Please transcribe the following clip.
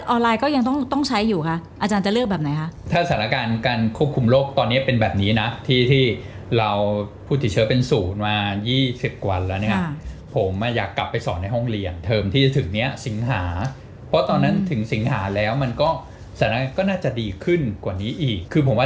ไลน์ก็ยังต้องต้องใช้อยู่ค่ะอาจารย์จะเลือกแบบไหนคะถ้าสถานการณ์การควบคุมโรคตอนนี้เป็นแบบนี้นะที่ที่เราผู้ติดเชื้อเป็นศูนย์มายี่สิบกว่าแล้วเนี่ยผมอ่ะอยากกลับไปสอนในห้องเรียนเทอมที่จะถึงเนี้ยสิงหาเพราะตอนนั้นถึงสิงหาแล้วมันก็สถานการณ์ก็น่าจะดีขึ้นกว่านี้อีกคือผมว่า